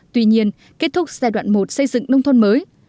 tuy nhiên kết thúc giai đoạn một xây dựng nông thôn mới